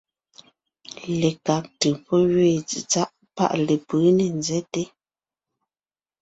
Lekág ntʉ̀ pɔ́ gẅeen tsetsáʼ paʼ lepʉ̌ ne nzɛ́te,